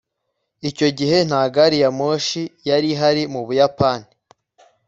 icyo gihe nta gari ya moshi yari ihari mu buyapani